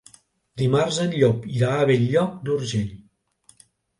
Dimarts en Llop irà a Bell-lloc d'Urgell.